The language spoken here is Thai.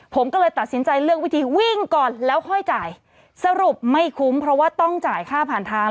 ผมก็เลยตัดสินใจเลือกวิธีวิ่งก่อนแล้วค่อยจ่ายสรุปไม่คุ้มเพราะว่าต้องจ่ายค่าผ่านทาง